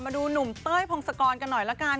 มาดูหนุ่มเต้ยพงศกรกันหน่อยละกัน